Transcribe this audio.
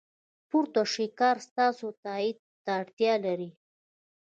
پورته شوی کار ستاسو تایید ته اړتیا لري.